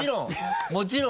もちろん！